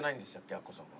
アッコさんは。